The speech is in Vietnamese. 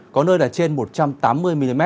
có nơi là trên một trăm tám mươi mm